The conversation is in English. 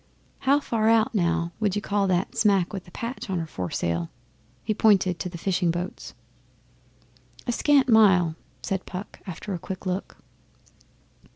'How far out, now, would you call that smack with the patch on her foresail?' He pointed to the fishing boats. 'A scant mile,' said Puck after a quick look.